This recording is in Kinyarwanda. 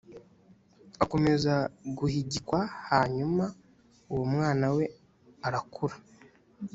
akomeza guhigikwa hanyuma uwo mwana we arakura